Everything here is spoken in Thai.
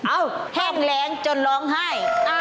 แห้งแรงจนร้องไห้